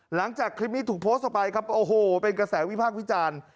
หลังจากคลิปนี้ถูกโพสต์ออกไปครับโอ้โหเป็นกระแสวิพากษ์วิจารณ์